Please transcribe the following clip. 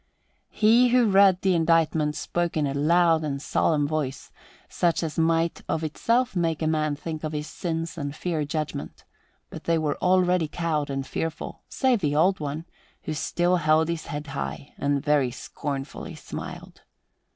He who read the indictment spoke in a loud and solemn voice, such as might of itself make a man think of his sins and fear judgment; but they were already cowed and fearful, save only the Old One, who still held his head high and very scornfully smiled.